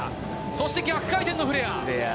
そして逆回転のフレア。